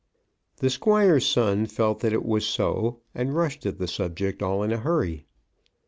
The Squire's son felt that it was so, and rushed at the subject all in a hurry.